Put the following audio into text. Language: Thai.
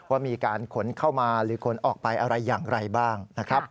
ว่ามีการขนเข้ามาหรือขนออกไปอะไรอย่างไรบ้างนะครับ